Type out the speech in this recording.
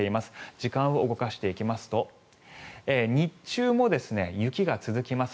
時間を動かしていきますと日中も雪が続きます。